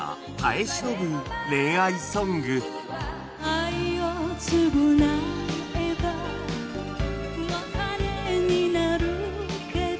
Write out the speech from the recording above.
「愛をつぐなえば別れになるけど」